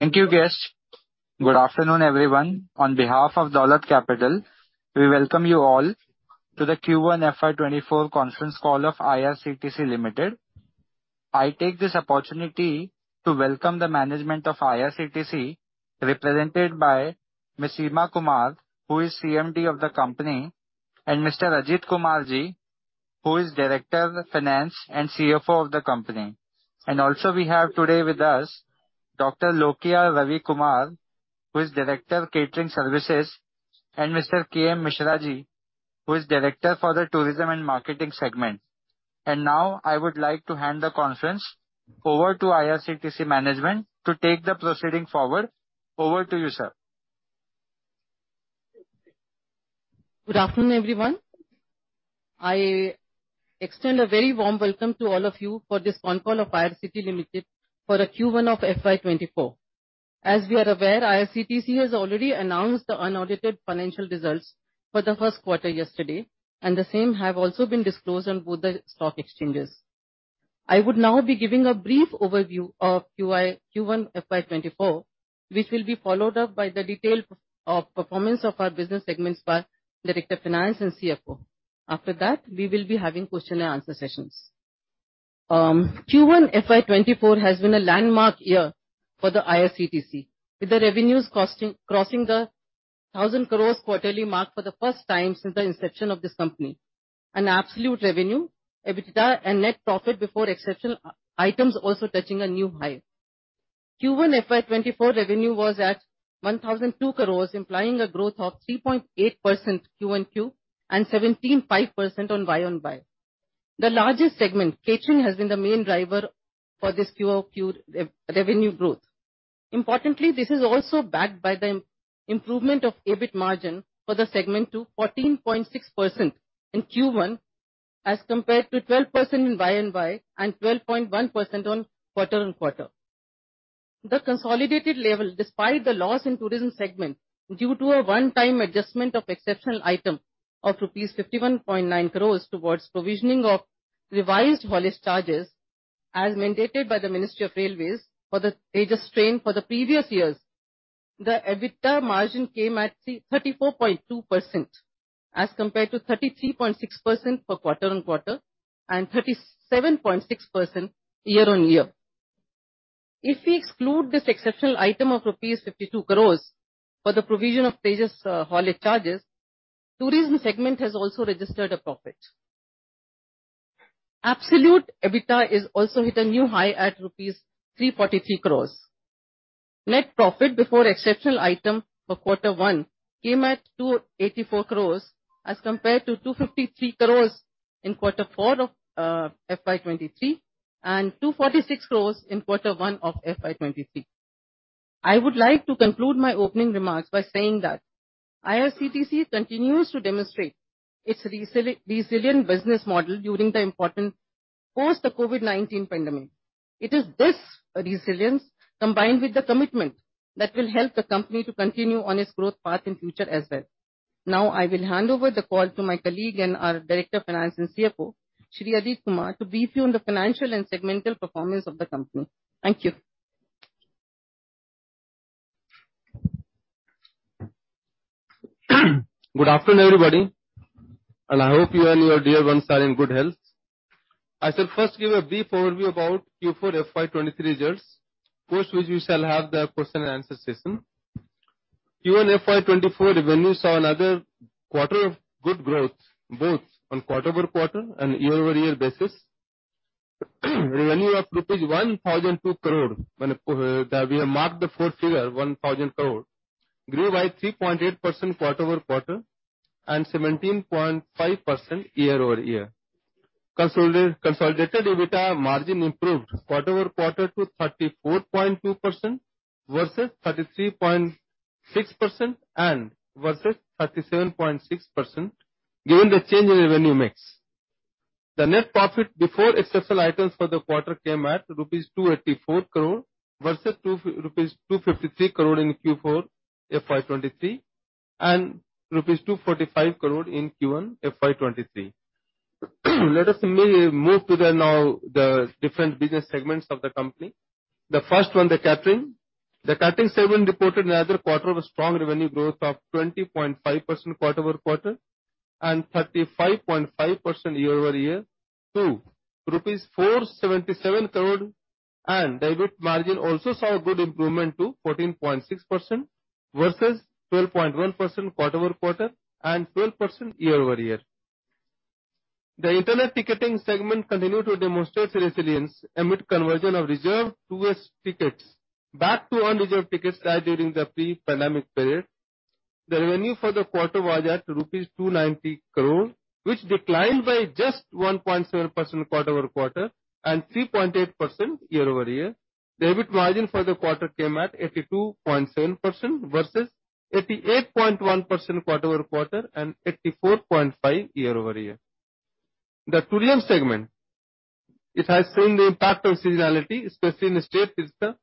Thank you, Guest. Good afternoon, everyone. On behalf of Dolat Capital, we welcome you all to the Q1 FY 2024 conference call of IRCTC Limited. I take this opportunity to welcome the management of IRCTC, represented by Ms. Seema Kumar, who is CMD of the company, and Mr. Ajit Kumarji, who is Director of Finance and CFO of the company. Also, we have today with us, Dr. Lokiah Ravikumar, who is Director of Catering Services, and Mr. K. M. Mishraji, who is Director for the Tourism and Marketing segment. Now, I would like to hand the conference over to IRCTC management to take the proceeding forward. Over to you, sir. Good afternoon, everyone. I extend a very warm welcome to all of you for this con call of IRCTC Limited for the Q1 of FY 2024. As we are aware, IRCTC has already announced the unaudited financial results for the first quarter yesterday. The same have also been disclosed on both the stock exchanges. I would now be giving a brief overview of Q1 FY 2024, which will be followed up by the detail of performance of our business segments by Director of Finance and CFO. After that, we will be having question and answer sessions. Q1 FY 2024 has been a landmark year for the IRCTC, with the revenues crossing the 1,000 quarterly mark for the first time since the inception of this company. An absolute revenue, EBITDA and net profit before exceptional items, also touching a new high. Q1 FY 2024 revenue was at 1,002, implying a growth of 3.8% quarter-over-quarter, and 17.5% year-over-year. The largest segment, catering, has been the main driver for this quarter-over-quarter re-revenue growth. Importantly, this is also backed by the improvement of EBIT margin for the segment to 14.6% in Q1, as compared to 12% year-over-year, and 12.1% quarter-over-quarter. The consolidated level, despite the loss in tourism segment, due to a one-time adjustment of exceptional item of rupees 51.9 towards provisioning of revised haulage charges, as mandated by the Ministry of Railways for the Tejas train for the previous years, the EBITDA margin came at 34.2%, as compared to 33.6% for quarter-on-quarter and 37.6% year-on-year. If we exclude this exceptional item of rupees 52 for the provision of Tejas haulage charges, tourism segment has also registered a profit. Absolute EBITDA is also hit a new high at rupees 343. Net profit before exceptional item for quarter one came at 284, as compared to 253 in quarter four of FY 2023, and 246 in quarter one of FY 2023. I would like to conclude my opening remarks by saying that IRCTC continues to demonstrate its resilient business model during the important post-the COVID-19 pandemic. It is this resilience, combined with the commitment, that will help the company to continue on its growth path in future as well. Now, I will hand over the call to my colleague and our Director of Finance and CFO, Shri Ajit Kumar, to brief you on the financial and segmental performance of the company. Thank you. Good afternoon, everybody. I hope you and your dear ones are in good health. I shall first give a brief overview about Q4 FY23 results, post which we shall have the question and answer session. Q1 FY24 revenue saw another quarter of good growth, both on quarter-over-quarter and year-over-year basis. Revenue of rupees 1,002, when we have marked the fourth figure, 1,000, grew by 3.8% quarter-over-quarter and 17.5% year-over-year. Consolidated EBITDA margin improved quarter-over-quarter to 34.2%, versus 33.6% and versus 37.6%, given the change in revenue mix. The net profit before exceptional items for the quarter came at rupees 284, versus 253 in Q4 FY 2023, and rupees 245 in Q1 FY 2023. Let us move to the now, the different business segments of the company. The first one, the catering. The catering segment reported another quarter of a strong revenue growth of 20.5% quarter-over-quarter, and 35.5% year-over-year to rupees 477, and the EBIT margin also saw a good improvement to 14.6%, versus 12.1% quarter-over-quarter and 12% year-over-year. The internet ticketing segment continued to demonstrate resilience amid conversion of reserved towards tickets, back to unreserved tickets style during the pre-pandemic period. The revenue for the quarter was at rupees 290, which declined by just 1.7% quarter-over-quarter, and 3.8% year-over-year. The EBIT margin for the quarter came at 82.7%, versus 88.1% quarter-over-quarter and 84.5% year-over-year. The tourism segment, it has seen the impact of seasonality, especially in the state business,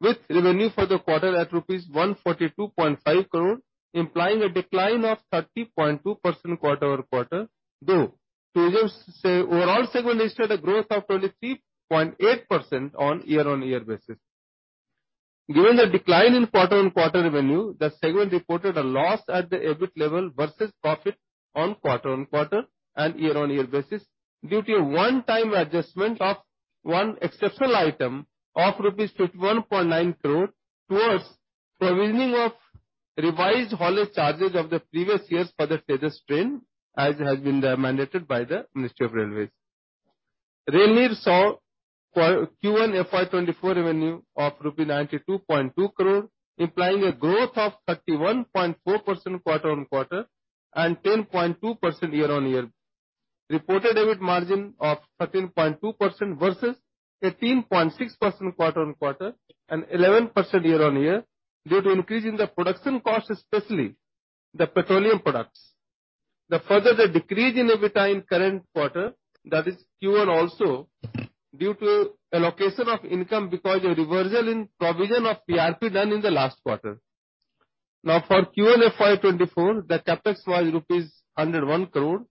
with revenue for the quarter at rupees 142.5, implying a decline of 30.2% quarter-over-quarter. Overall segment issued a growth of 23.8% on year-on-year basis. Given the decline in quarter-on-quarter revenue, the segment reported a loss at the EBIT level versus profit on quarter-on-quarter and year-on-year basis, due to a one-time adjustment of one exceptional item of rupees 51.9, towards provisioning of revised haulage charges of the previous years for the Tejas train, as has been mandated by the Ministry of Railways. Rail Neer saw Q1 FY 2024 revenue of INR 92.2, implying a growth of 31.4% quarter-on-quarter and 10.2% year-on-year. Reported EBIT margin of 13.2% versus 18.6% quarter-on-quarter and 11% year-on-year, due to increase in the production cost, especially the petroleum products. The further the decrease in EBIT in current quarter, that is Q1 also, due to allocation of income because a reversal in provision of PRP done in the last quarter. For Q1 FY 2024, the CapEx was rupees 101.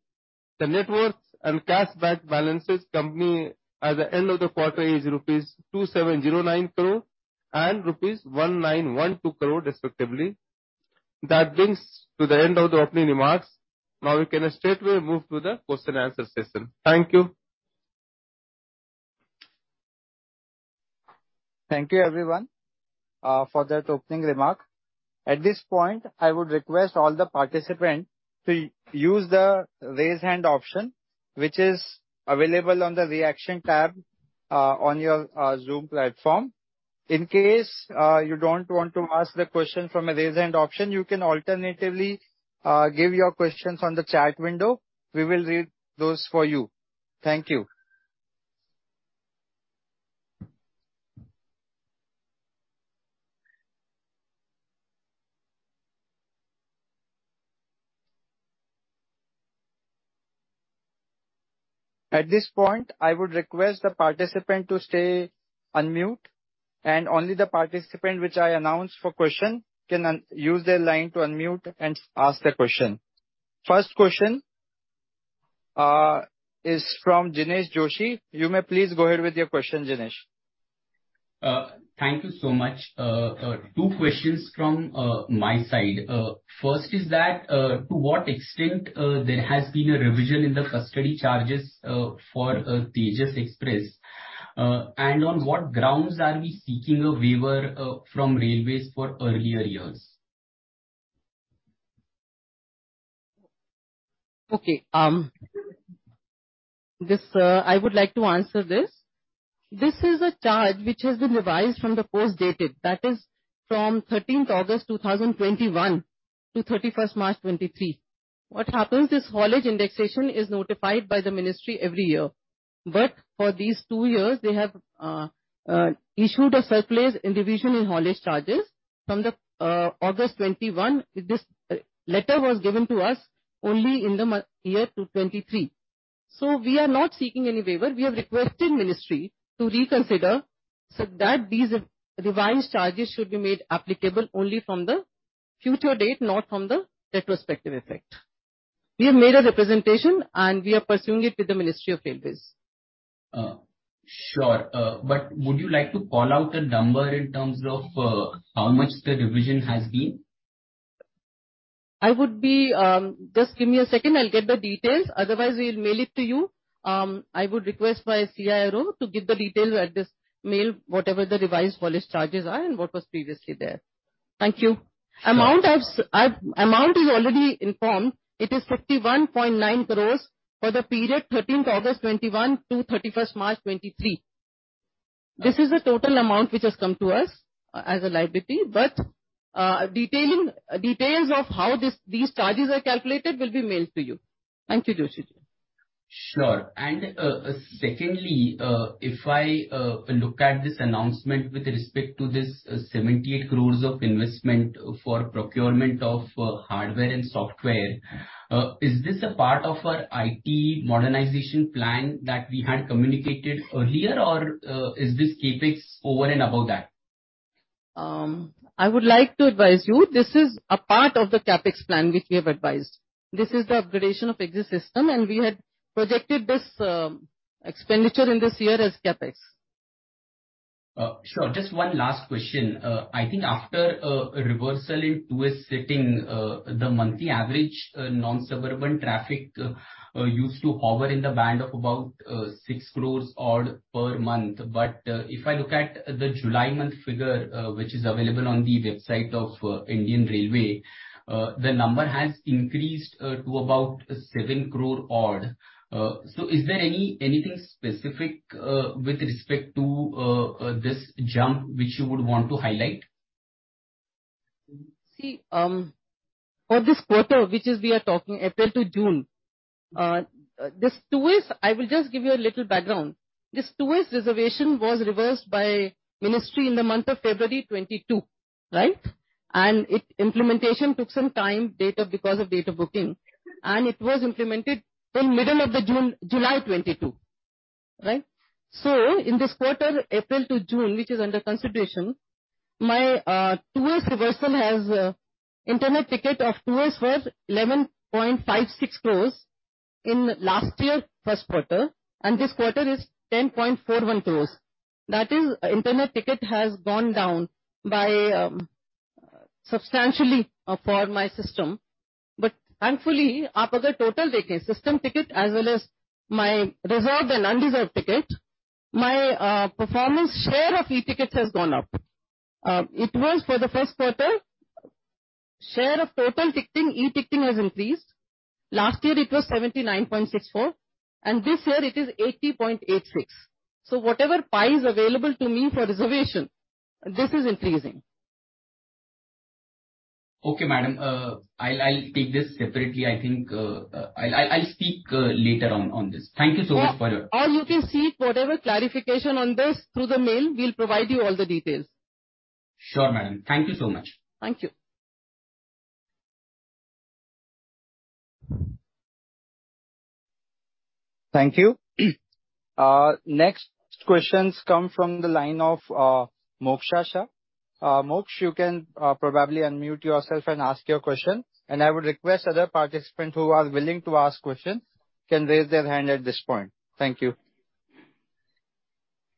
The net worth and cash back balances company at the end of the quarter is rupees 2,709 and rupees 1,912 respectively. That brings to the end of the opening remarks. We can straightaway move to the question and answer session. Thank you. Thank you, everyone, for that opening remark. At this point, I would request all the participant to use the Raise Hand option, which is available on the Reaction tab, on your Zoom platform. In case, you don't want to ask the question from a Raise Hand option, you can alternatively, give your questions on the chat window. We will read those for you. Thank you. At this point, I would request the participant to stay on mute, and only the participant which I announce for question can use their line to unmute and ask the question. First question is from Jinesh Joshi. You may please go ahead with your question, Jinesh. Thank you so much. Two questions from my side. First is that, to what extent, there has been a revision in the custody charges for Tejas Express? On what grounds are we seeking a waiver from Railways for earlier years? Okay. This I would like to answer this. This is a charge which has been revised from the post dated, that is from 13th August 2021 to 31st March 2023. What happens is, haulage indexation is notified by the ministry every year, for these two years, they have issued a surplus in division in haulage charges from August 2021. This letter was given to us only in the year 2023. We are not seeking any waiver. We have requested ministry to reconsider so that these re-revised charges should be made applicable only from the future date, not from the retrospective effect. We have made a representation, we are pursuing it with the Ministry of Railways. Sure, would you like to call out a number in terms of how much the revision has been? I would be... Just give me a second, I'll get the details, otherwise we'll mail it to you. I would request my CRO to give the details at this mail, whatever the revised haulage charges are and what was previously there. Thank you. Sure. Amount is already informed. It is 51.9 for the period 13th August 2021 to 31st March 2023. This is the total amount which has come to us as a liability, but, detailing, details of how this, these charges are calculated will be mailed to you. Thank you, Joshi-ji. Sure. Secondly, if I look at this announcement with respect to this, 78 of investment for procurement of hardware and software, is this a part of our IT modernization plan that we had communicated earlier, or is this CapEx over and above that? I would like to advise you, this is a part of the CapEx plan which we have advised. This is the upgradation of existing system, and we had projected this expenditure in this year as CapEx. Sure. Just one last question. I think after reversal in tourist setting, the monthly average non-suburban traffic used to hover in the band of about 6 odd per month. If I look at the July month figure, which is available on the website of Indian Railways, the number has increased to about 7 odd. Is there anything specific with respect to this jump, which you would want to highlight? See, for this quarter, which is we are talking April to June, this tourist, I will just give you a little background. This tourist reservation was reversed by ministry in the month of February 2022, right? It implementation took some time, date of, because of date of booking, and it was implemented in middle of the June-July 2022. Right. In this quarter, April to June, which is under consideration, my tours reversal has internet ticket of tours was 11.56 s in last year, first quarter, and this quarter is 10.41 s. That is, internet ticket has gone down by substantially for my system. Thankfully, up total system ticket, as well as my reserved and unreserved ticket, my performance share of e-tickets has gone up. It was for the first quarter, share of total ticketing, e-ticketing has increased. Last year it was 79.64%, and this year it is 80.86%. Whatever pie is available to me for reservation, this is increasing. Okay, madam, I'll take this separately. I think, I'll speak later on, on this. Thank you so much for your- You can see whatever clarification on this through the mail, we'll provide you all the details. Sure, madam. Thank you so much. Thank you. Thank you. Next questions come from the line of Moksha Shah. Moksh, you can probably unmute yourself and ask your question, and I would request other participants who are willing to ask questions can raise their hand at this point. Thank you.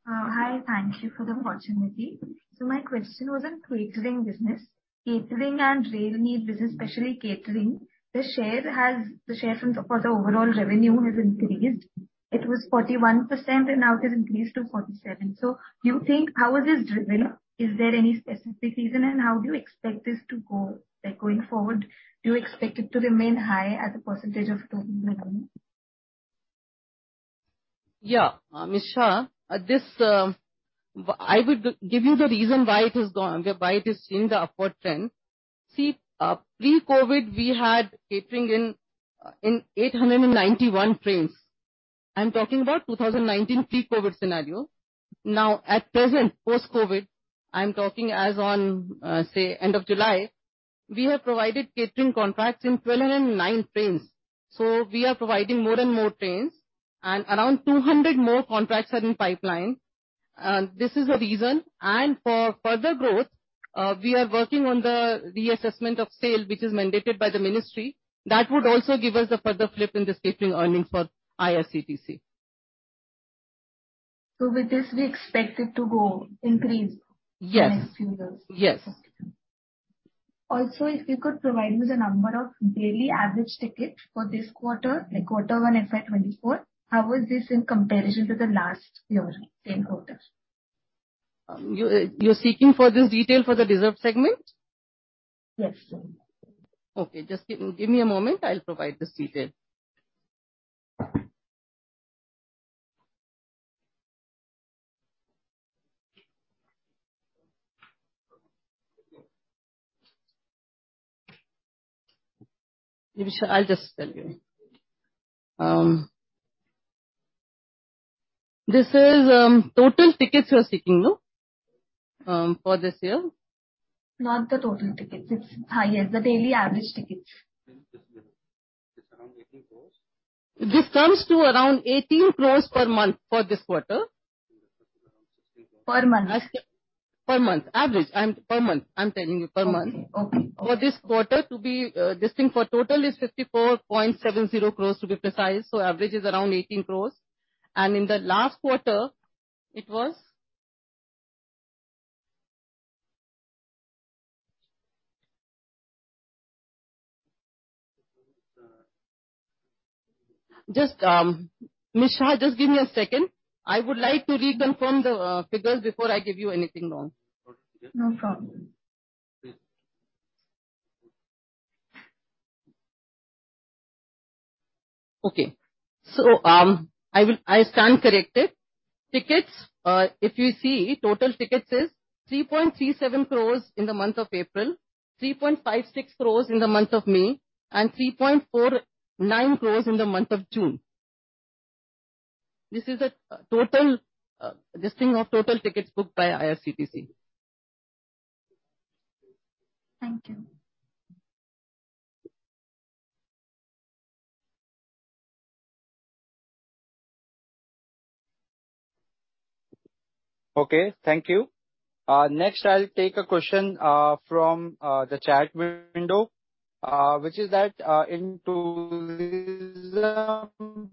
Hi, thank you for the opportunity. My question was on catering business. Catering and railway business, especially catering, the share has, the share from for the overall revenue has increased. It was 41% and now it has increased to 47%. Do you think how is this driven? Is there any specific reason, and how do you expect this to go, like, going forward, do you expect it to remain high as a percentage of total revenue? Yeah. Ms. Shah, this, I would give you the reason why it has gone, why it is in the upward trend. See, pre-COVID-19, we had catering in, in 891 trains. I'm talking about 2019 pre-COVID-19 scenario. Now, at present, post-COVID-19, I'm talking as on, say, end of July, we have provided catering contracts in 1,209 trains. We are providing more and more trains, and around 200 more contracts are in pipeline. This is a reason, and for further growth, we are working on the reassessment of sale, which is mandated by the ministry. That would also give us a further flip in this catering earnings for IRCTC. With this, we expect it to go increase. Yes. in a few years. Yes. If you could provide me the number of daily average tickets for this quarter, like quarter one FY 2024, how is this in comparison to the last year, same quarter? You, you're seeking for this detail for the reserved segment? Yes, ma'am. Okay, just give me a moment. I'll provide this detail. I'll just tell you. This is, total tickets you are seeking, no, for this year? Not the total tickets. It's yes, the daily average tickets. This comes to around 18 per month for this quarter. Per month? Per month, average, per month. I'm telling you, per month. Okay, okay. For this quarter to be distinct for total is 54.70 s, to be precise, so average is around 18 s. In the last quarter, it was... Just, Ms. Shah, just give me a second. I would like to reconfirm the figures before I give you anything wrong. No problem. I stand corrected. Tickets, if you see, total tickets is 3.37 in the month of April, 3.56 in the month of May, and 3.49 in the month of June. This is a total listing of total tickets booked by IRCTC. Thank you. Okay, thank you. Next, I'll take a question from the chat window, which is that, in tourism,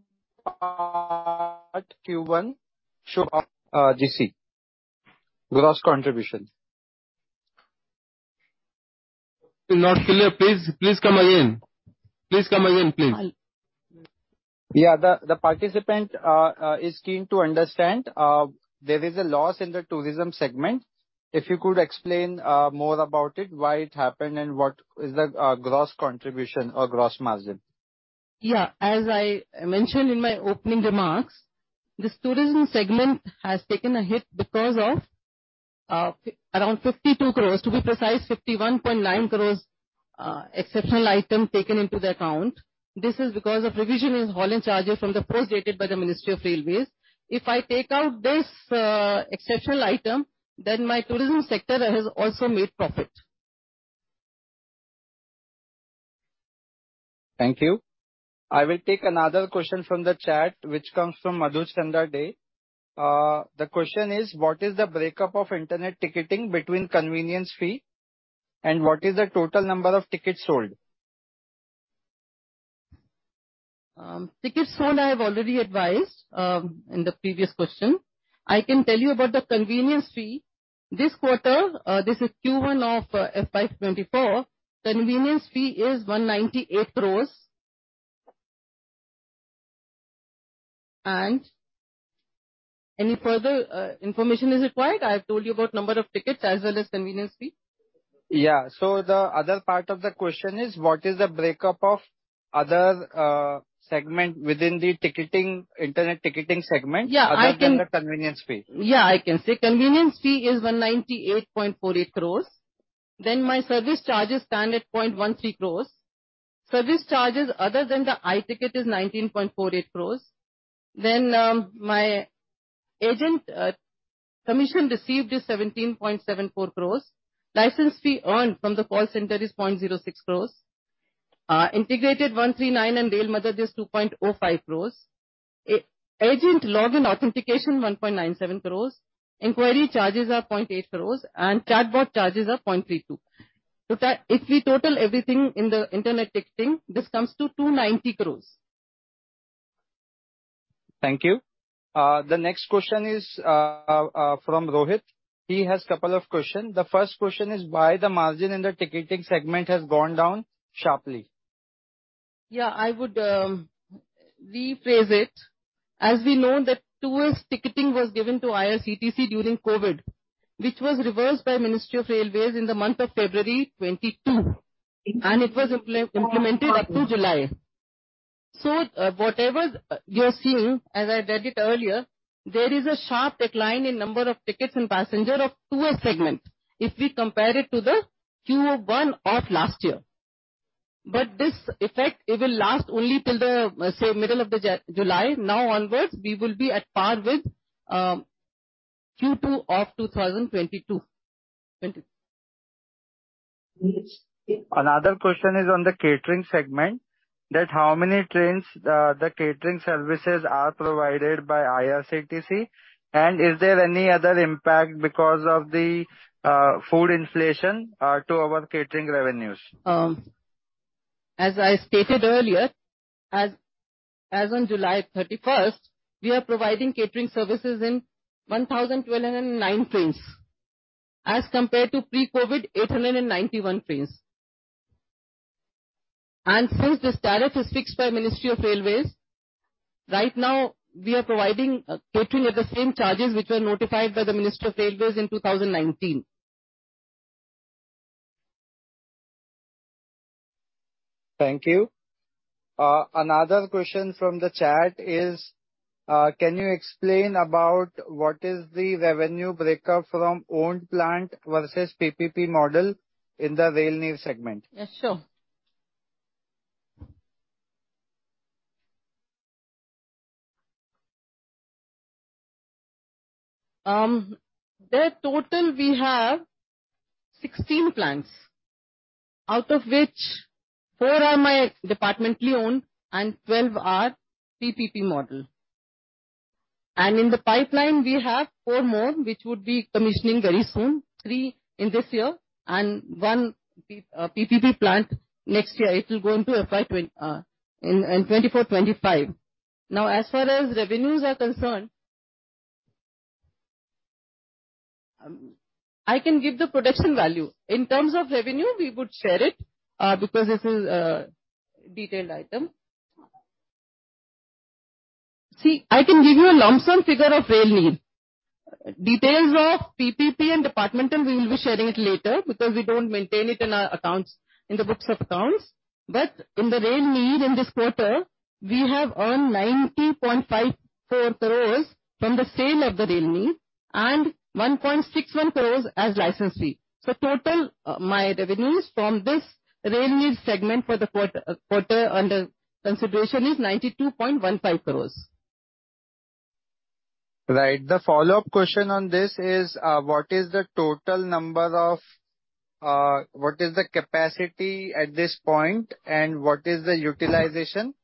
Q1 show, GC, gross contribution. Not clear. Please, please come again. Please come again, please. Yeah, the participant is keen to understand, there is a loss in the tourism segment, if you could explain more about it, why it happened and what is the gross contribution or gross margin? Yeah, as I mentioned in my opening remarks, this tourism segment has taken a hit because of, around 52, to be precise, 51.9, exceptional item taken into the account. This is because of revision in haulage charges from the post dated by the Ministry of Railways. If I take out this, exceptional item, then my tourism sector has also made profit.... Thank you. I will take another question from the chat, which comes from Madhuchanda Dey. The question is: What is the breakup of internet ticketing between convenience fee, and what is the total number of tickets sold? Tickets sold, I have already advised, in the previous question. I can tell you about the convenience fee. This quarter, this is Q1 of FY 2024, convenience fee is 198. Any further information is required? I have told you about number of tickets as well as convenience fee. Yeah. The other part of the question is: What is the breakup of other segment within the ticketing, internet ticketing segment. Yeah, I. Other than the convenience fee. Yeah, I can say. Convenience fee is 198.48. My service charge is standard 0.13. Service charges other than the i-ticket is 19.48. My agent commission received is 17.74. License fee earned from the call center is 0.06. Integrated 139 and Rail Madad is 2.05. Agent login authentication, 1.97. Inquiry charges are 0.8, and chatbot charges are 0.32. If we total everything in the internet ticketing, this comes to 290. Thank you. The next question is from Rohit. He has couple of question. The first question is: Why the margin in the ticketing segment has gone down sharply? I would rephrase it. As we know that tourist ticketing was given to IRCTC during COVID, which was reversed by Ministry of Railways in the month of February 2022, and it was implemented up to July. Whatever we are seeing, as I read it earlier, there is a sharp decline in number of tickets and passenger of tourist segment, if we compare it to the Q1 of last year. This effect, it will last only till the, say, middle of the July. Now onwards, we will be at par with Q2 of 2022, 20. Another question is on the catering segment, that how many trains, the catering services are provided by IRCTC, and is there any other impact because of the food inflation, to our catering revenues? As I stated earlier, as, as on July 31st, we are providing catering services in 1,209 trains, as compared to pre-COVID, 891 trains. Since this tariff is fixed by Ministry of Railways, right now, we are providing catering at the same charges which were notified by the Ministry of Railways in 2019. Thank you. Another question from the chat is: Can you explain about what is the revenue breakup from owned plant versus PPP model in the Rail Neer segment? Yes, sure. The total we have 16 plants, out of which four are my departmentally owned and 12 are PPP model. In the pipeline, we have four more, which would be commissioning very soon, three in this year and one PPP plant next year. It will go into effect when in 2024, 2025. As far as revenues are concerned... I can give the production value. In terms of revenue, we would share it because this is a detailed item. See, I can give you a lumpsum figure of Rail Neer. Details of PPP and departmental, we will be sharing it later, because we don't maintain it in our accounts, in the books of accounts. In the Rail Neer, in this quarter, we have earned 90.5 from the sale of the Rail Neer, and 1.61 as license fee. Total, my revenues from this Rail Neer segment for the quarter under consideration is 92.15. Right. The follow-up question on this is: What is the capacity at this point, and what is the utilization,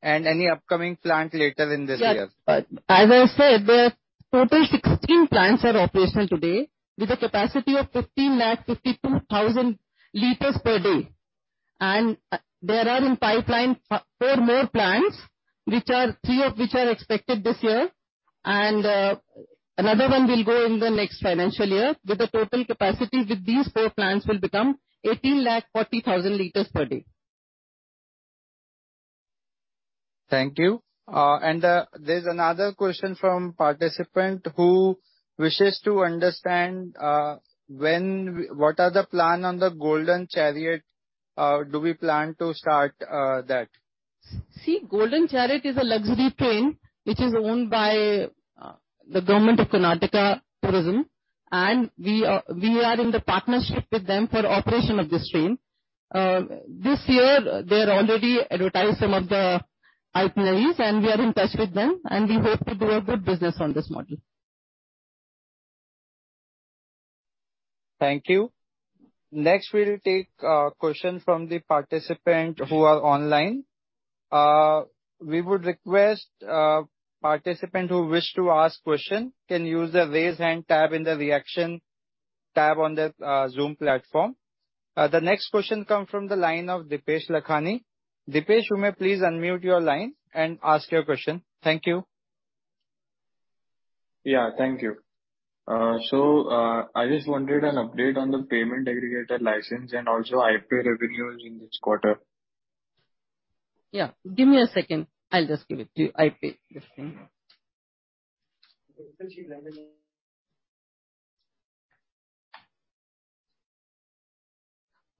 and any upcoming plant later in this year? As I said, the total 16 plants are operational today, with a capacity of 15 lakh 52 thousand liters per day. There are in pipeline, four more plants, which are, three of which are expected this year, and another one will go in the next financial year, with the total capacity with these four plants will become 18 lakh 40 thousand liters per day. Thank you. There's another question from participant who wishes to understand, what are the plan on the Golden Chariot, do we plan to start that? See, Golden Chariot is a luxury train which is owned by the government of Karnataka Tourism, and we are in the partnership with them for operation of this train. This year, they're already advertised some of the itineraries, and we are in touch with them, and we hope to do a good business on this model. Thank you. Next, we'll take question from the participant who are online. We would request participant who wish to ask question can use the Raise Hand tab in the Reaction tab on the Zoom platform. The next question come from the line of Dipesh Lakhanie. Dipesh, you may please unmute your line and ask your question. Thank you. Yeah, thank you. I just wanted an update on the payment aggregator license, and also IP revenues in this quarter. Yeah. Give me a second. I'll just give it to you, IP.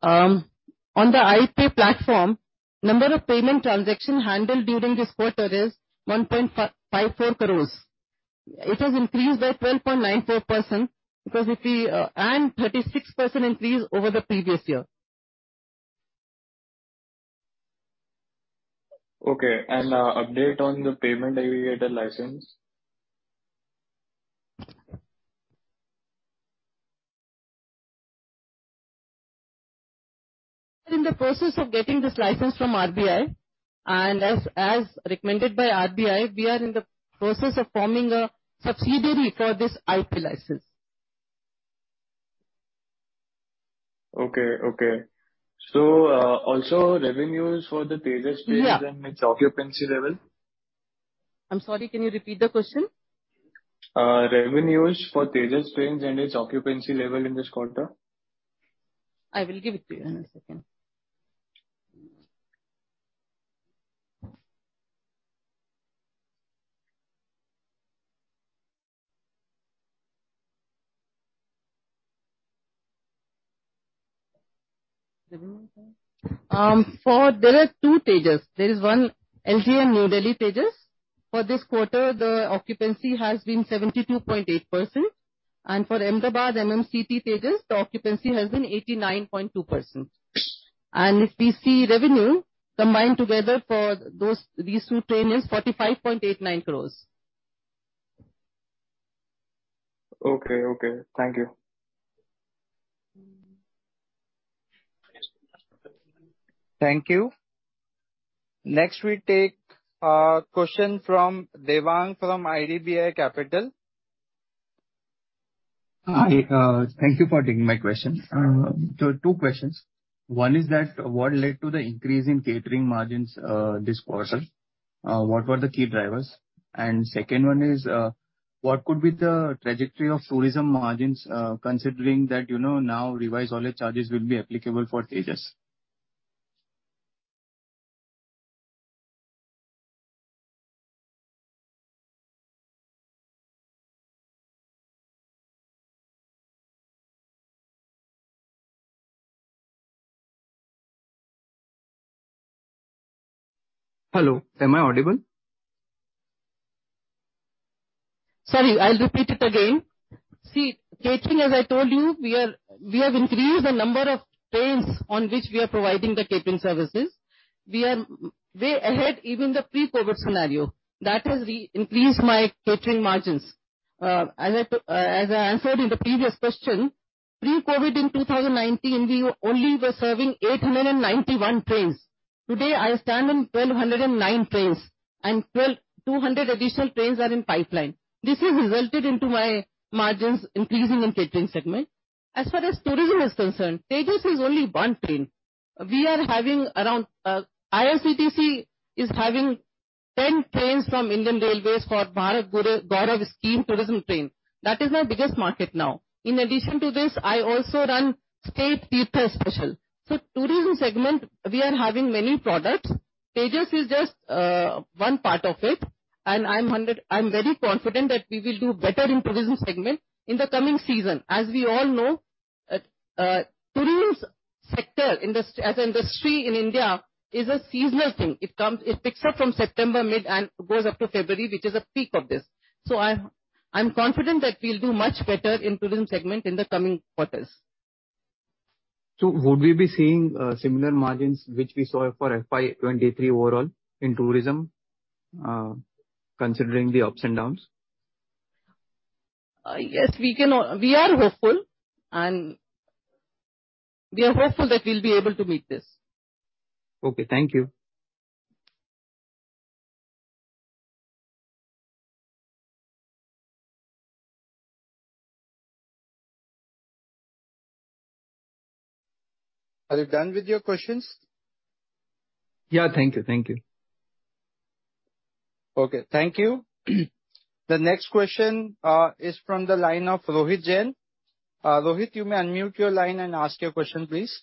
On the IP platform, number of payment transaction handled during this quarter is 1.54. It has increased by 12.94% and 36% increase over the previous year. Okay, update on the payment aggregator license? In the process of getting this license from RBI, and as, as recommended by RBI, we are in the process of forming a subsidiary for this IP license. Okay, okay. Also revenues for the Tejas trains- Yeah. its occupancy level? I'm sorry, can you repeat the question? Revenues for Tejas trains and its occupancy level in this quarter? I will give it to you in a second. For there are two Tejas: There is one LTE and New Delhi Tejas. For this quarter, the occupancy has been 72.8%, and for Ahmedabad MMCT Tejas, the occupancy has been 89.2%. If we see revenue combined together for those, these two trains, 45.89. Okay, okay. Thank you. Thank you. Next, we take a question from Devang, from IDBI Capital. Hi, thank you for taking my question. Two questions. One is that, what led to the increase in catering margins, this quarter? What were the key drivers? Second one is, what could be the trajectory of tourism margins, considering that, you know, now revised all your charges will be applicable for Tejas? Hello, am I audible? Sorry, I'll repeat it again. See, catering, as I told you, we have increased the number of trains on which we are providing the catering services. We are way ahead, even the pre-COVID scenario. That has re-increased my catering margins. As I, as I answered in the previous question, pre-COVID in 2019, we only were serving 891 trains. Today, I stand on 1,209 trains, and 200 additional trains are in pipeline. This has resulted into my margins increasing in catering segment. As far as tourism is concerned, Tejas is only one train. We are having around, IRCTC is having 10 trains from Indian Railways for Bharat Gaurav scheme tourism train. That is our biggest market now. In addition to this, I also run State Teerth Special. Tourism segment, we are having many products. Tejas is just one part of it, and I'm very confident that we will do better in tourism segment in the coming season. As we all know, tourism sector, as an industry in India, is a seasonal thing. It comes, it picks up from September mid and goes up to February, which is a peak of this. I, I'm confident that we'll do much better in tourism segment in the coming quarters. Would we be seeing similar margins which we saw for FY 2023 overall in tourism, considering the ups and downs? Yes, we can. We are hopeful, and we are hopeful that we'll be able to meet this. Okay. Thank you. Are you done with your questions? Yeah. Thank you. Thank you. Okay, thank you. The next question is from the line of Rohit Jain. Rohit, you may unmute your line and ask your question, please.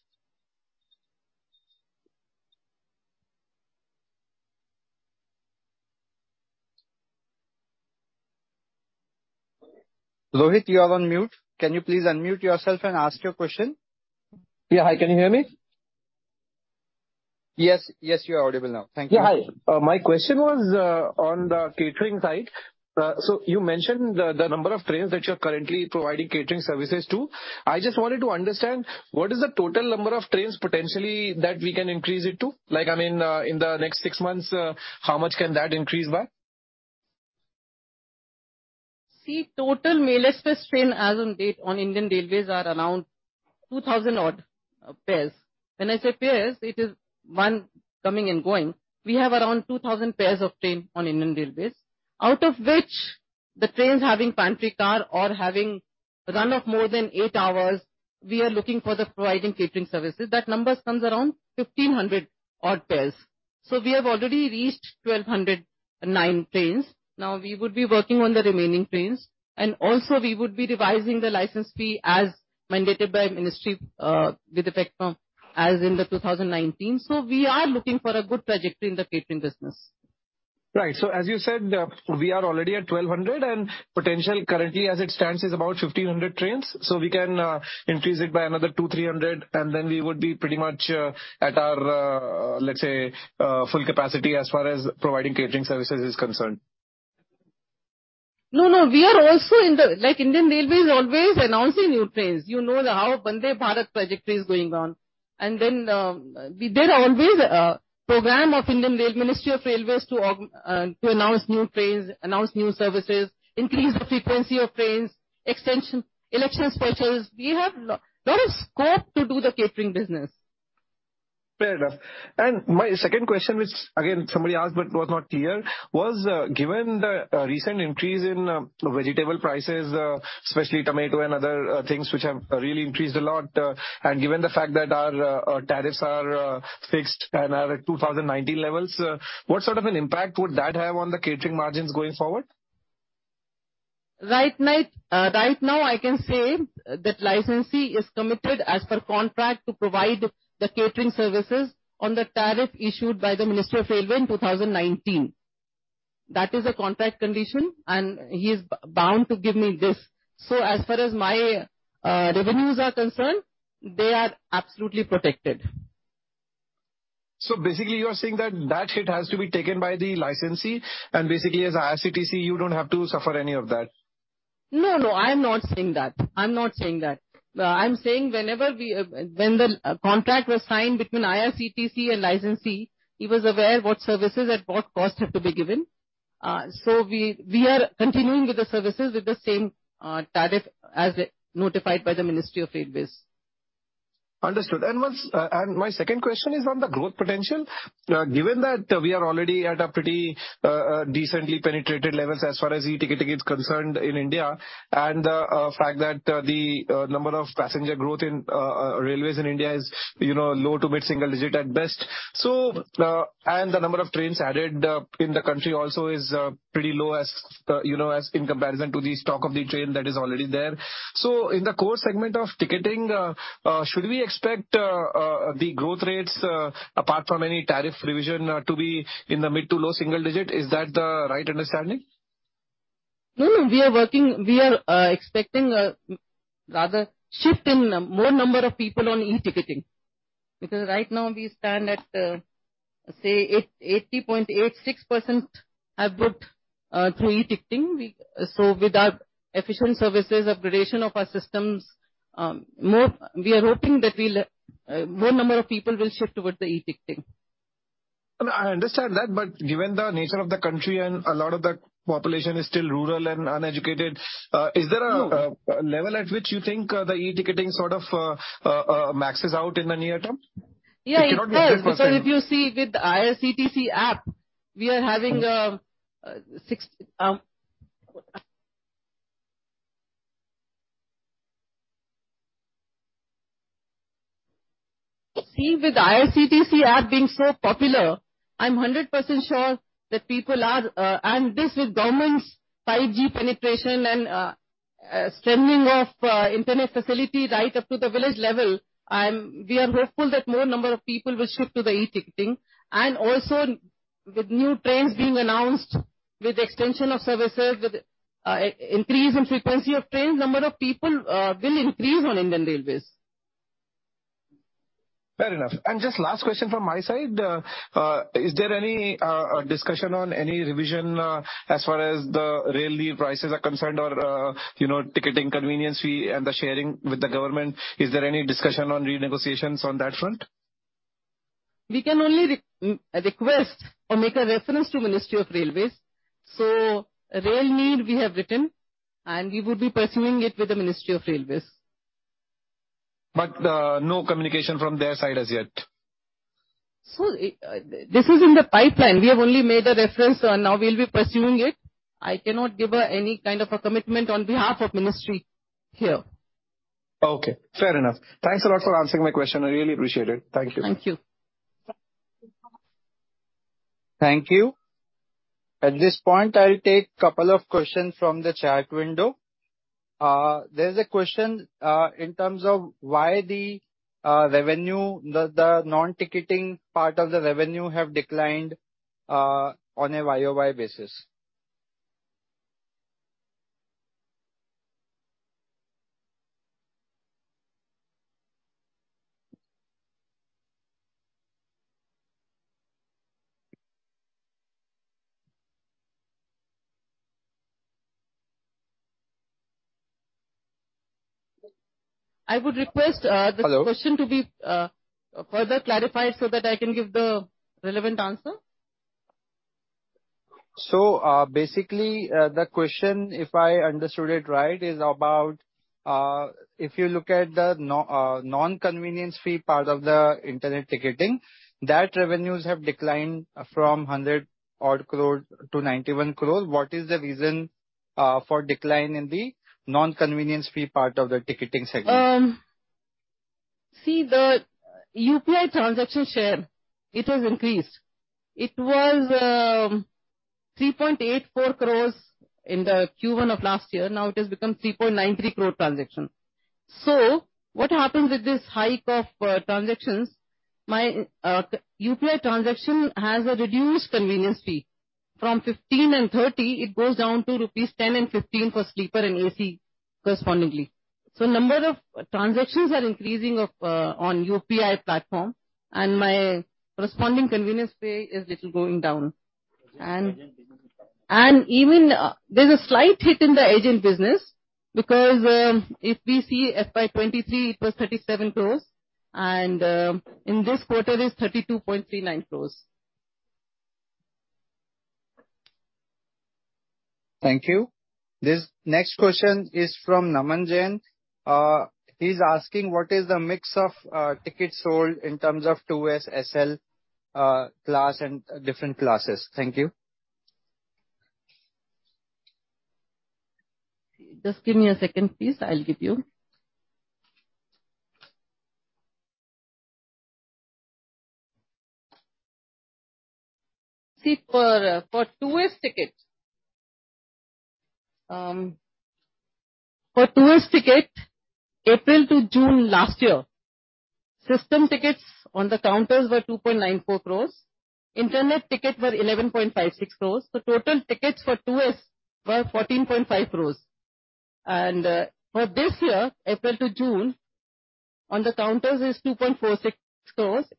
Rohit, you are on mute. Can you please unmute yourself and ask your question? Yeah. Hi, can you hear me? Yes, yes, you are audible now. Thank you. Yeah, hi. My question was on the catering side. You mentioned the, the number of trains that you're currently providing catering services to. I just wanted to understand, what is the total number of trains potentially that we can increase it to? Like, I mean, in the next six months, how much can that increase by? See, total Mail Express train as on date on Indian Railways are around 2,000 odd pairs. When I say pairs, it is one coming and going. We have around 2,000 pairs of train on Indian Railways, out of which the trains having pantry car or having a run of more than eight hours, we are looking for the providing catering services. That number comes around 1,500 odd pairs. We have already reached 1,209 trains. Now, we would be working on the remaining trains, and also we would be revising the license fee as mandated by Ministry with effect from as in the 2019. We are looking for a good trajectory in the catering business. Right. As you said, we are already at 1,200, and potential currently as it stands, is about 1,500 trains. We can increase it by another 200-300, and then we would be pretty much at our, let's say, full capacity as far as providing catering services is concerned. No, no. We are also like Indian Railways always announcing new trains. You know how Vande Bharat trajectory is going on. There are always a program of Ministry of Railways to announce new trains, announce new services, increase the frequency of trains, extension, election specials. We have lot of scope to do the catering business. Fair enough. My second question, which again, somebody asked but was not clear, was, given the recent increase in vegetable prices, especially tomato and other things which have really increased a lot, and given the fact that our tariffs are fixed and are at 2019 levels, what sort of an impact would that have on the catering margins going forward? Right now, right now, I can say that licensee is committed as per contract to provide the catering services on the tariff issued by the Ministry of Railways in 2019. That is a contract condition, and he is bound to give me this. As far as my revenues are concerned, they are absolutely protected. Basically, you are saying that that hit has to be taken by the licensee, and basically, as IRCTC, you don't have to suffer any of that? No, no, I'm not saying that. I'm not saying that. I'm saying whenever we... When the contract was signed between IRCTC and licensee, he was aware what services at what cost have to be given. We, we are continuing with the services with the same tariff as notified by the Ministry of Railways. Understood. My second question is on the growth potential. Given that we are already at a pretty decently penetrated levels as far as e-ticketing is concerned in India, and the fact that the number of passenger growth in railways in India is, you know, low to mid-single digit at best. The number of trains added in the country also is pretty low, as, you know, as in comparison to the stock of the train that is already there. In the core segment of ticketing, should we expect the growth rates, apart from any tariff revision, to be in the mid to low single digit? Is that the right understanding? No, no, we are expecting a rather shift in more number of people on e-ticketing. Right now, we stand at, say, 80.86% have booked through e-ticketing. With our efficient services, upgradation of our systems, more, we are hoping that we'll more number of people will shift towards the e-ticketing. I understand that, but given the nature of the country and a lot of the population is still rural and uneducated. No. Is there a, a level at which you think, the e-ticketing sort of, maxes out in the near term? Yeah, it does. It cannot be 100%. If you see with the IRCTC app, we are having six. See, with the IRCTC app being so popular, I'm 100% sure that people are, and this with government's 5G penetration and strengthening of internet facility right up to the village level, we are hopeful that more number of people will shift to the e-ticketing. Also with new trains being announced, with extension of services, with increase in frequency of trains, number of people will increase on Indian Railways. Fair enough. Just last question from my side. Is there any discussion on any revision as far as the Rail Neer prices are concerned or, you know, ticketing convenience fee and the sharing with the government? Is there any discussion on renegotiations on that front? We can only request or make a reference to Ministry of Railways. Rail Neer, we have written, and we would be pursuing it with the Ministry of Railways. No communication from their side as yet? This is in the pipeline. We have only made a reference, and now we'll be pursuing it. I cannot give any kind of a commitment on behalf of Ministry here. Okay, fair enough. Thanks a lot for answering my question. I really appreciate it. Thank you. Thank you. Thank you. At this point, I'll take two questions from the chat window. There's a question in terms of why the revenue, the non-ticketing part of the revenue have declined on a YOY basis? I would request this question to be further clarified so that I can give the relevant answer. Basically, the question, if I understood it right, is about, if you look at the non-convenience fee part of the internet ticketing, that revenues have declined from 100 odd to 91. What is the reason for decline in the non-convenience fee part of the ticketing segment? See, the UPI transaction share, it has increased. It was 3.84 in the Q1 of last year. Now it has become 3.93 transaction. What happens with this hike of transactions, my UPI transaction has a reduced convenience fee. From 15 and 30, it goes down to rupees 10 and 15 for sleeper and AC correspondingly. Number of transactions are increasing of on UPI platform, and my corresponding convenience fee is little going down. Agent business. Even, there's a slight hit in the agent business, because, if we see FY 2023, it was 37, and, in this quarter, it's 32.39. Thank you. This next question is from Naman Jain. He's asking: What is the mix of tickets sold in terms of two way SL, class and different classes? Thank you. Just give me a second, please. I'll give you. For tourist ticket, for tourist ticket, April to June last year, system tickets on the counters were 2.94. Internet tickets were 11.56. The total tickets for tourists were 14.5. For this year, April to June, on the counters is 2.46.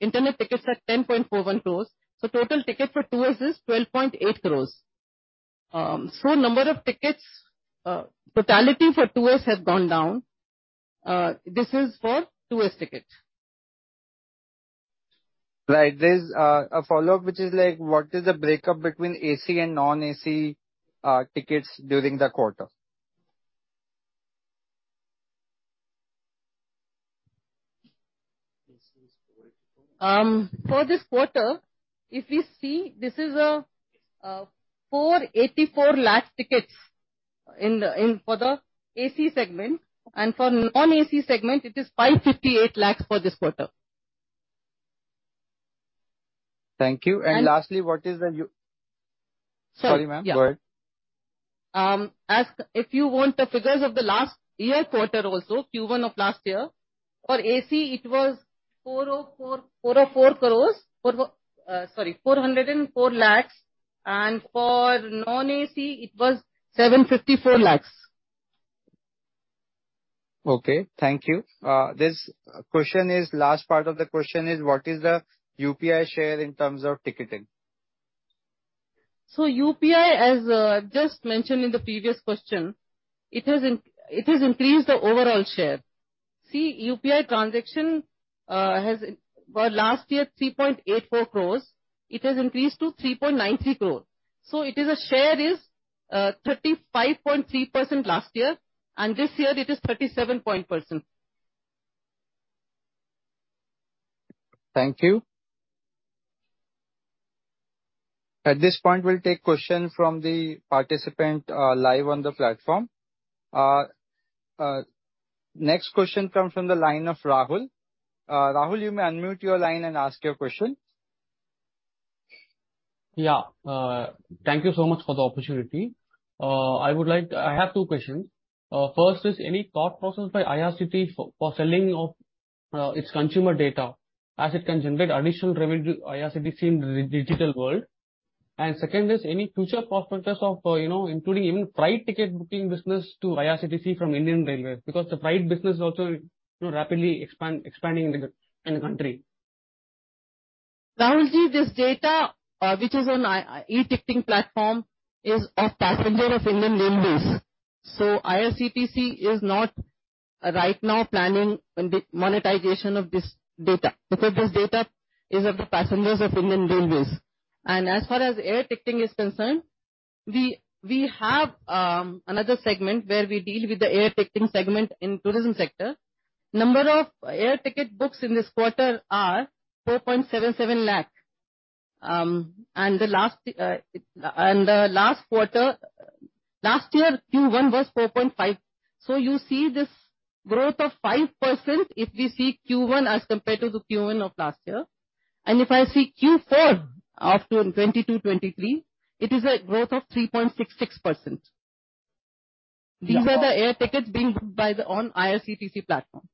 Internet tickets are 10.41. Total tickets for tourists is 12.8. Number of tickets, totality for tourists has gone down. This is for tourist tickets. Right. There's a follow-up, which is like: What is the breakup between AC and non-AC, tickets during the quarter? For this quarter, if you see, this is 484 lakh tickets for the AC segment, and for non-AC segment, it is 558 lakh tickets for this quarter. Thank you. And- lastly, what is the. Sorry. Sorry, ma'am, go ahead. If you want the figures of the last year quarter also, Q1 of last year, for AC, it was 404 lakhs, and for non-AC, it was 754 lakhs. Okay, thank you. This question is, last part of the question is: What is the UPI share in terms of ticketing? UPI, as I've just mentioned in the previous question, it has increased the overall share. See, UPI transaction has, well, last year, 3.84, it has increased to 3.93. It is a share is 35.3% last year, and this year it is 37 point percent. Thank you. At this point, we'll take questions from the participant, live on the platform. Next question comes from the line of Rahul. Rahul, you may unmute your line and ask your question. Yeah, thank you so much for the opportunity. I have two questions. First, is any thought process by IRCTC for, for selling of, its consumer data as it can generate additional revenue to IRCTC in the digital world? Second, is any future perspectives of, you know, including even flight ticket booking business to IRCTC from Indian Railways, because the flight business is also, you know, rapidly expand, expanding in the, in the country. Rahul, see, this data, which is on e-ticketing platform, is of passenger of Indian Railways. IRCTC is not right now planning on the monetization of this data, because this data is of the passengers of Indian Railways. As far as air ticketing is concerned, we, we have another segment where we deal with the air ticketing segment in tourism sector. Number of air ticket books in this quarter are 4.77 lakh. The last quarter, last year, Q1 was 4.5. You see this growth of 5% if we see Q1 as compared to the Q1 of last year. If I see Q4 of 2022-2023, it is a growth of 3.66%. Yeah. These are the air tickets being booked on IRCTC platform.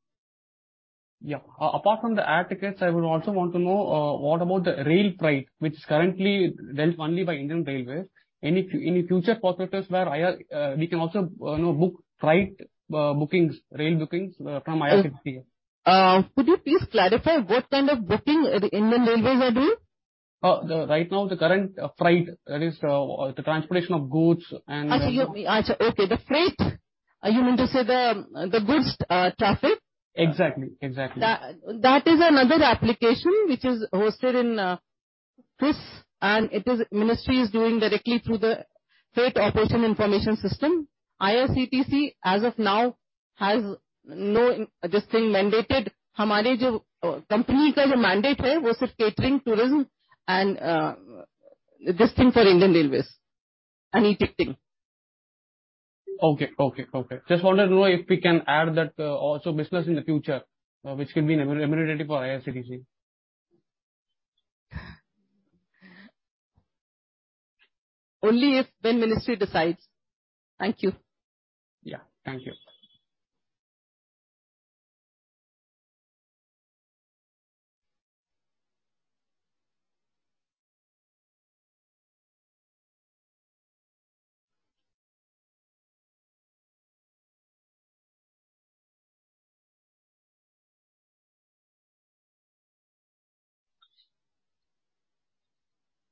Yeah. Apart from the air tickets, I would also want to know what about the rail freight, which is currently dealt only by Indian Railways. Any, any future perspectives where IR, we can also, you know, book freight, bookings, rail bookings, from IRCTC? Could you please clarify what kind of booking the Indian Railways are doing? The right now, the current, freight, that is, the transportation of goods and- I see, you, I, okay, the freight, you mean to say the, the goods, traffic? Exactly, exactly. That, that is another application which is hosted in this, and it is Ministry is doing directly through the Freight Operation Information System. IRCTC, as of now, has no this thing mandated. Company mandate here was just catering, tourism, and this thing for Indian Railways and e-ticketing. Okay, okay, okay. Just wanted to know if we can add that, also business in the future, which can be re-remunerative for IRCTC. Only if when ministry decides. Thank you. Yeah. Thank you.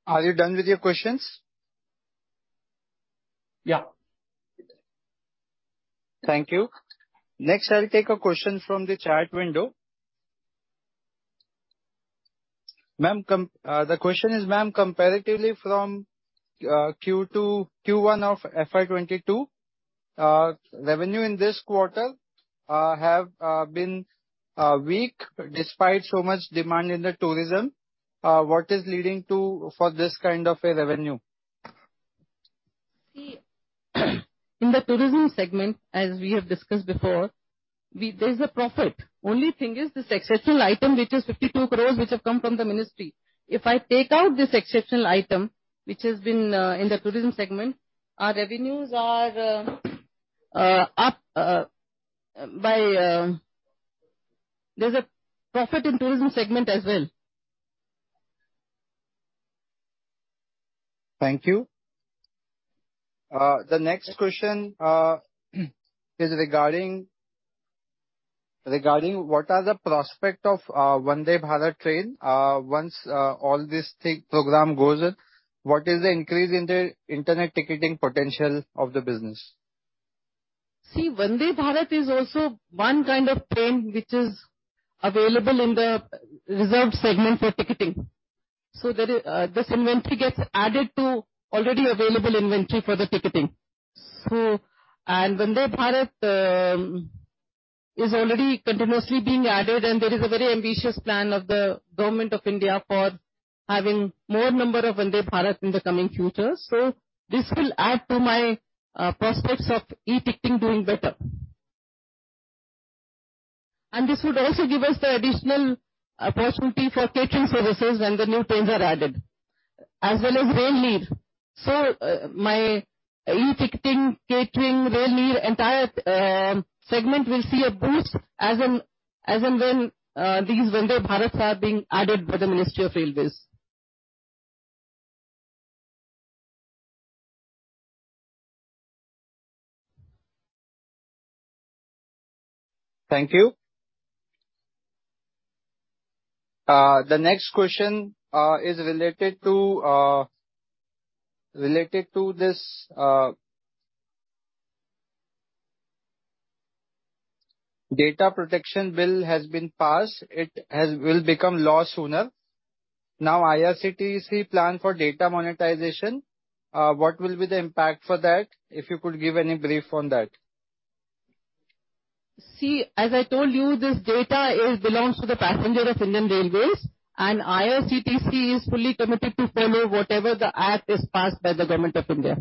Are you done with your questions? Yeah. Thank you. Next, I'll take a question from the chat window. Ma'am, the question is, ma'am, comparatively from Q2, Q1 of FY 2022, revenue in this quarter have been weak despite so much demand in the tourism. What is leading to for this kind of a revenue? See, in the tourism segment, as we have discussed before, we -- there's a profit. Only thing is this exceptional item, which is 52, which have come from the ministry. If I take out this exceptional item, which has been in the tourism segment, our revenues are up by. There's a profit in tourism segment as well. Thank you. The next question is regarding what are the prospect of Vande Bharat train. Once all this thing, program goes on, what is the increase in the internet ticketing potential of the business? Vande Bharat is also one kind of train which is available in the reserved segment for ticketing. There this inventory gets added to already available inventory for the ticketing. Vande Bharat is already continuously being added, and there is a very ambitious plan of the Government of India for having more number of Vande Bharat in the coming future. This will add to my prospects of e-ticketing doing better. This would also give us the additional opportunity for catering services when the new trains are added, as well as Rail Neer. My e-ticketing, catering, Rail Neer, entire segment will see a boost as and when these Vande Bharats are being added by the Ministry of Railways. Thank you. The next question is related to related to this Data Protection Bill has been passed. It has, will become law sooner. Now, IRCTC plan for data monetization, what will be the impact for that? If you could give any brief on that. See, as I told you, this data is belongs to the passenger of Indian Railways, and IRCTC is fully committed to follow whatever the act is passed by the Government of India.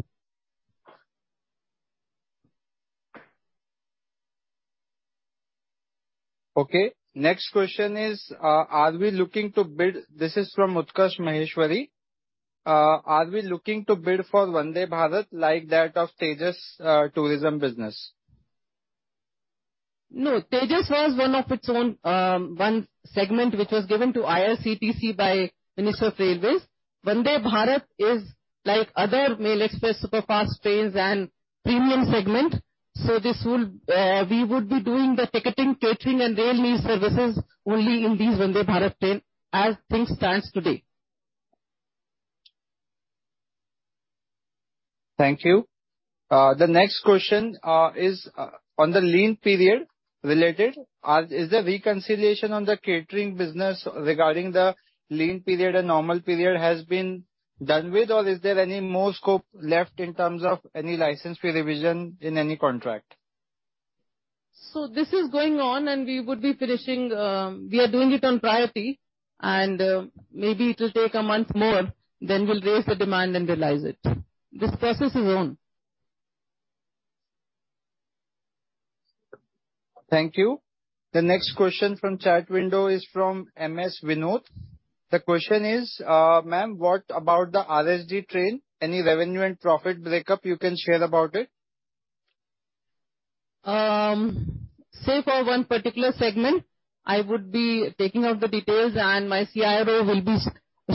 Okay. Next question is, This is from Utkarsh Maheshwari. Are we looking to build for Vande Bharat like that of Tejas, tourism business? Tejas was one of its own, one segment which was given to IRCTC by Minister of Railways. Vande Bharat is like other mail express, superfast trains and premium segment. This will, we would be doing the ticketing, catering, and railway services only in these Vande Bharat train as things stands today. Thank you. The next question, is, on the lean period related. Is the reconciliation on the catering business regarding the lean period and normal period has been done with, or is there any more scope left in terms of any license fee revision in any contract? This is going on and we would be finishing. We are doing it on priority, and maybe it will take 1 month more, then we'll raise the demand and realize it. This process is on. Thank you. The next question from chat window is from M. S. Vinod. The question is, Ma'am, what about the RSD train? Any revenue and profit breakup you can share about it? Say for one particular segment, I would be taking out the details, and my CRO will be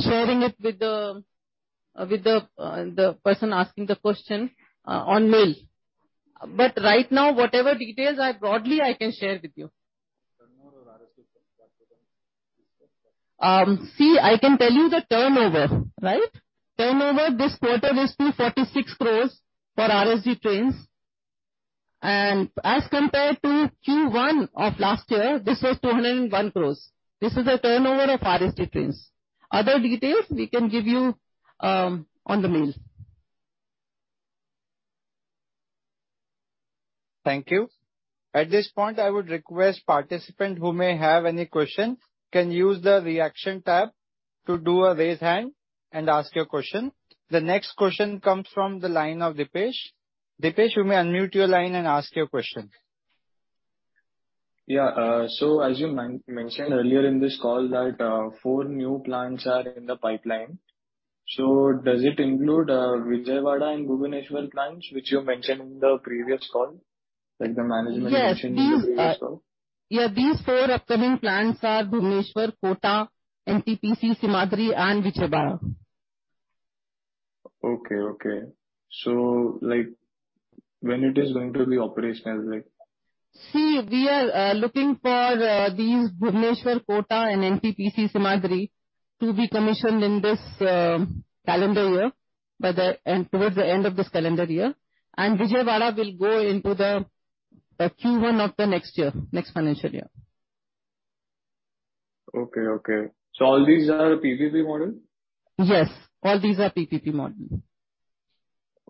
sharing it with the, with the, the person asking the question, on mail. Right now, whatever details I've broadly, I can share with you. See, I can tell you the turnover, right? Turnover this quarter is 246 for RSD trains. As compared to Q1 of last year, this was 201. This is a turnover of RSD trains. Other details we can give you, on the mail. Thank you. At this point, I would request participant who may have any questions, can use the Reaction tab to do a raise hand and ask your question. The next question comes from the line of Dipesh. Dipesh, you may unmute your line and ask your question. Yeah, as you mentioned earlier in this call that, four new plants are in the pipeline. Does it include Vijayawada and Bhubaneswar plants, which you mentioned in the previous call, like the management mentioned in the previous call? Yes, these are. Yeah, these 4 upcoming plants are Bhubaneswar, Kota, NTPC, Simhadri, and Vijayawada. Okay, okay. Like, when it is going to be operational, like? We are looking for these Bhubaneswar, Kota and NTPC, Simhadri to be commissioned in this calendar year, towards the end of this calendar year. Vijayawada will go into the Q1 of the next year, next financial year. Okay, okay. All these are PPP model? Yes, all these are PPP model.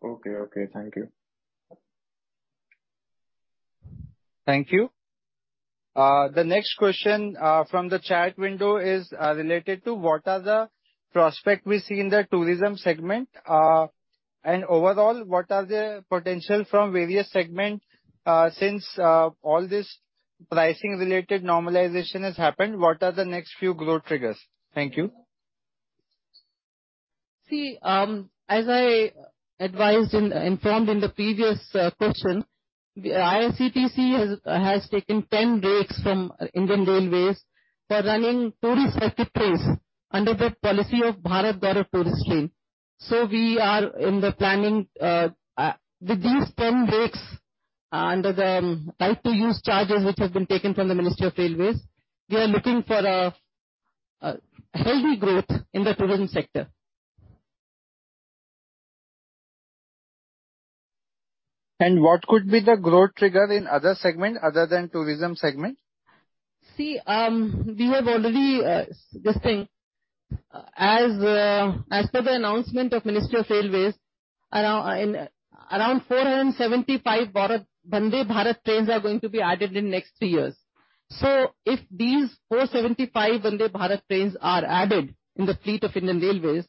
Okay, okay. Thank you. Thank you. The next question from the chat window is related to: What are the prospect we see in the tourism segment? Overall, what are the potential from various segments, since all this pricing-related normalization has happened, what are the next few growth triggers? Thank you. See, as I advised in, informed in the previous question, IRCTC has, has taken 10 rakes from Indian Railways for running tourist circuit trains under the policy of Bharat Gaurav Tourist Train. We are in the planning with these 10 rakes, under the right to use charges, which have been taken from the Ministry of Railways, we are looking for a, a healthy growth in the tourism sector. What could be the growth trigger in other segment other than tourism segment? See, we have already listing. As per the announcement of Ministry of Railways, around 475 Bharat, Vande Bharat trains are going to be added in next two years. If these 475 Vande Bharat trains are added in the fleet of Indian Railways,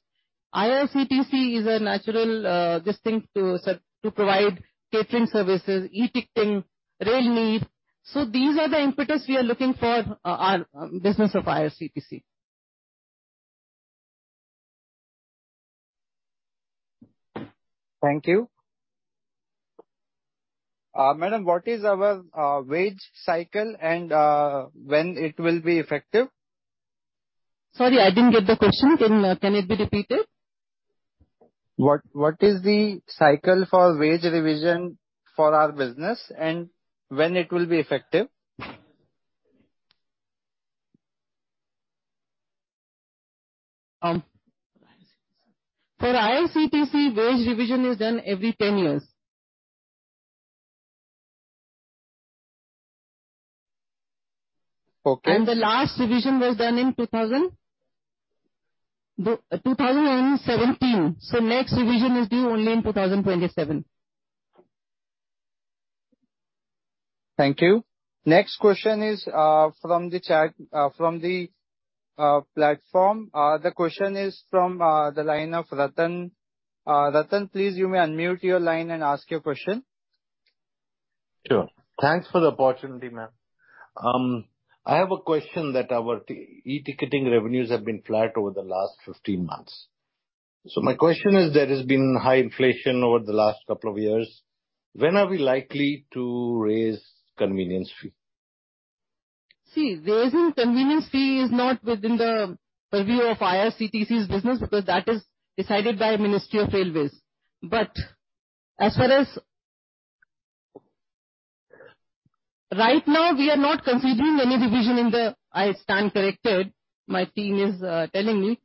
IRCTC is a natural listing to provide catering services, e-ticketing, Rail Neer. These are the impetus we are looking for our business of IRCTC. Thank you. madam, what is our wage cycle, and when it will be effective? Sorry, I didn't get the question. Can it be repeated? What is the cycle for wage revision for our business, and when it will be effective? For IRCTC, wage revision is done every 10 years. Okay. The last revision was done in 2017. Next revision is due only in 2027. Thank you. Next question is from the chat, from the platform. The question is from the line of Ratan. Ratan, please, you may unmute your line and ask your question. Sure. Thanks for the opportunity, ma'am. I have a question that our e-ticketing revenues have been flat over the last 15 months. My question is: There has been high inflation over the last couple of years. When are we likely to raise convenience fee? Raising convenience fee is not within the purview of IRCTC's business, because that is decided by Ministry of Railways. As far as Right now, we are not considering any revision in the I stand corrected. My team is telling me.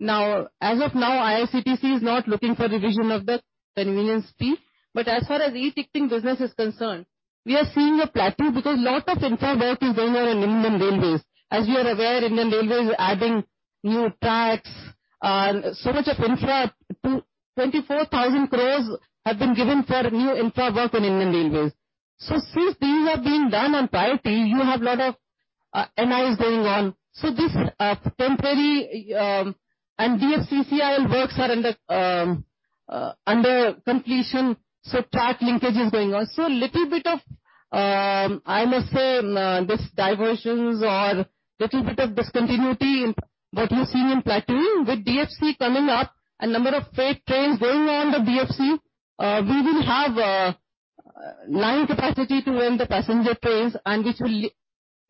As of now, IRCTC is not looking for revision of the convenience fee. As far as e-ticketing business is concerned, we are seeing a plateau because lot of infra work is going on in Indian Railways. As you are aware, Indian Railways is adding new tracks. So much of infra, 24,000 have been given for new infra work on Indian Railways. Since these are being done on priority, you have a lot of NIs going on. This, temporary, and DFCCIL works are under under completion, track linkage is going on. Little bit of, I must say, this diversions or little bit of discontinuity in what you're seeing in plateauing. With DFC coming up, a number of freight trains going on the DFC, we will have line capacity to run the passenger trains and which will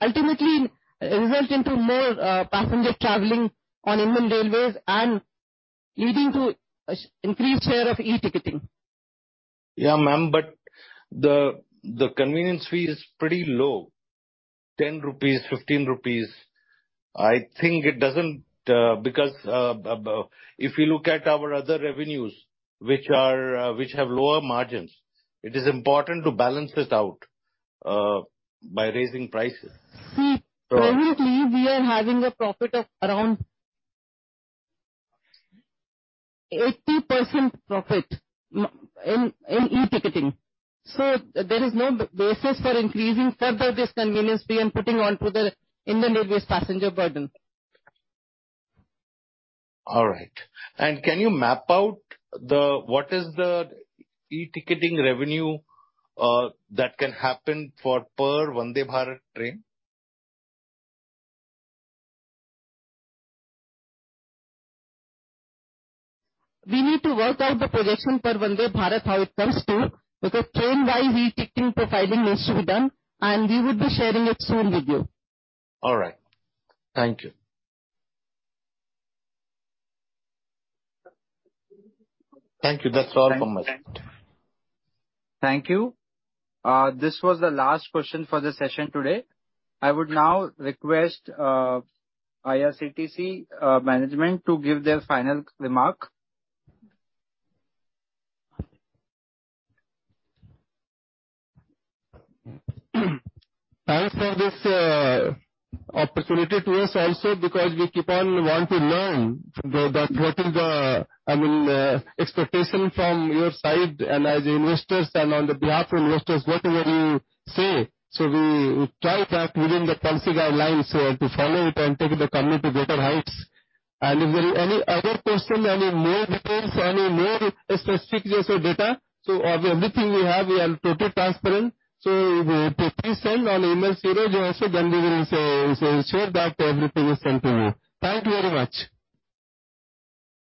ultimately result into more passenger traveling on Indian Railways and leading to an increased share of e-ticketing. Yeah, ma'am, but the convenience fee is pretty low. 10 rupees, 15 rupees. I think it doesn't, because, if you look at our other revenues, which are, which have lower margins, it is important to balance this out, by raising prices. See, currently, we are having a profit of around 80% profit in e-ticketing. There is no basis for increasing further this convenience fee and putting onto the Indian Railways passenger burden. All right. Can you map out the, what is the e-ticketing revenue that can happen for per Vande Bharat train? We need to work out the projection per Vande Bharat, how it comes to, because train-wide e-ticketing profiling needs to be done, and we will be sharing it soon with you. All right. Thank you. Thank you. That's all from my side. Thank you. This was the last question for the session today. I would now request IRCTC management to give their final remark. Thanks for this opportunity to us also, because we keep on want to learn the, that what is the, I mean, expectation from your side and as investors and on the behalf of investors, whatever you say. We try that within the policy guidelines to follow it and take the company to greater heights. If there is any other question, any more details, any more specific data, of everything we have, we are totally transparent. Please send on email 0 also, then we will share that everything is sent to you. Thank you very much.